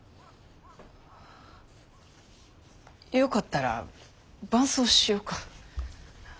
よかったら伴奏しよか？